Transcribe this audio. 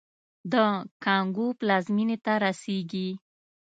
د کانګو پلازمېنې ته رسېږي.